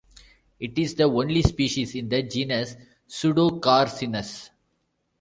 It is the only species in the genus Pseudocarcinus.